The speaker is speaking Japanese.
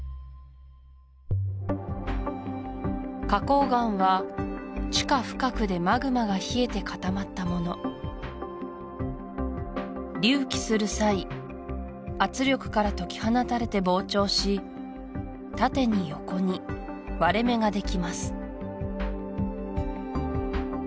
花崗岩は地下深くでマグマが冷えて固まったもの隆起する際圧力から解き放たれて膨張し縦に横に割れ目ができます